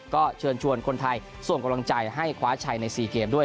ก็เชิญชวนคนไทยส่งกำลังใจให้คว้าชัยใน๔เกมด้วย